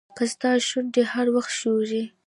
که ستا شونډې هر وخت ښوري.